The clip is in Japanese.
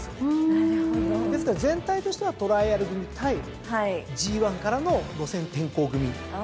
ですから全体としてはトライアル組対ＧⅠからの路線転向組。